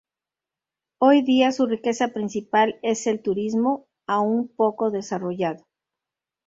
Hoy día su riqueza principal es el turismo, aún poco desarrollado.